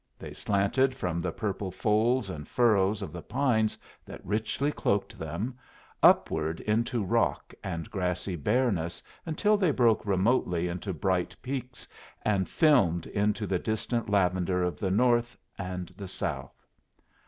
They slanted from the purple folds and furrows of the pines that richly cloaked them, upward into rock and grassy bareness until they broke remotely into bright peaks, and filmed into the distant lavender of the north and the south.